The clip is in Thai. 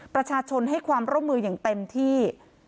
ประชาชนให้ความร่วมมืออย่างเต็มที่